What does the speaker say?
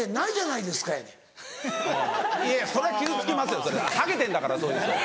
いやいやそれは傷つきますよハゲてんだからそいつ。